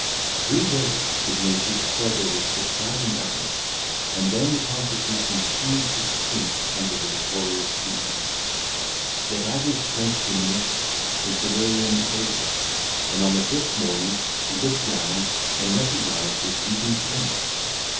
Three days did nature struggle with surprising efforts, and then the constitution seemed to sink under the victorious fever; yet, as his strength diminished, his delirium abated, and on the fifth morning he looked round, and recognised his weeping friends.